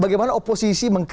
bagaimana oposisi mengkritik